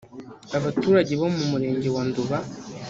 Abaturage bo mu murenge wa Nduba